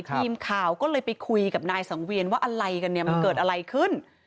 ทีมข่าวก็เลยไปคุยกับนายสังเวียนว่าอะไรกันเนี่ยมันเกิดอะไรขึ้น